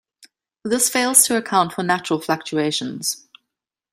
This fails to account for natural fluctuations.